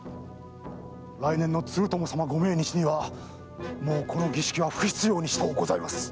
来年の継友様ご命日にはもうこの儀式は不必要にしとうございます。